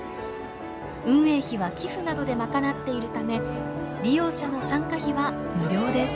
運営費は寄付などで賄っているため利用者の参加費は無料です。